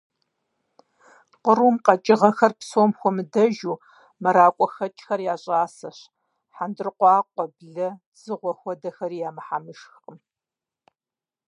Кърум къэкӀыгъэхэр, псом хуэмыдэжу мэракӀуэхэкӀхэр я щӀасэщ, хьэндыркъуакъуэ, блэ, дзыгъуэ хуэдэхэри я мыхьэмышхкъым.